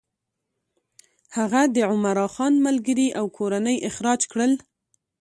هغه د عمرا خان ملګري او کورنۍ اخراج کړل.